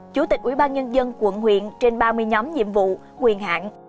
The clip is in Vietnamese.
chủ tịch ủy ban nhân dân quận huyện trên ba mươi nhóm nhiệm vụ nguyên hạn